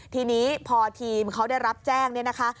ทีนี้พอทีมเขาได้รับแจ้งเนี่ยนะคะ